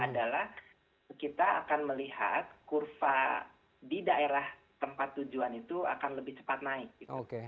adalah kita akan melihat kurva di daerah tempat tujuan itu akan lebih cepat naik